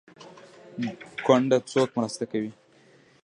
کونډه څوک مرسته کوي؟